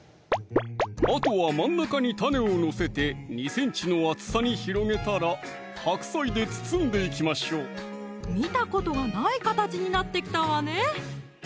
あとは真ん中に種を載せて２ｃｍの厚さに広げたら白菜で包んでいきましょう見たことがない形になってきたわね